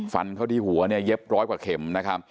ฝันเขาที่หัวเย็บร้อยกว่าเข็ม